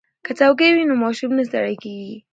که څوکۍ وي نو ماشوم نه ستړی کیږي.